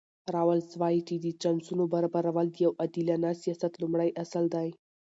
راولز وایي چې د چانسونو برابرول د یو عادلانه سیاست لومړی اصل دی.